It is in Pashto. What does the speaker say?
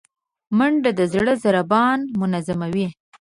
منډه د زړه ضربان منظموي